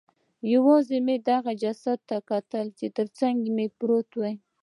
یوازې مې د هغې جسد ته کتل چې ترڅنګ مې پروت و